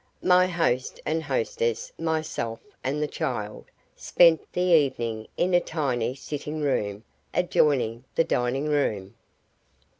My host and hostess, myself, and the child, spent the evening in a tiny sitting room adjoining the dining room.